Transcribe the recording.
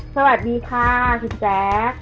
สวัสดีค่ะคุณแจ๊ค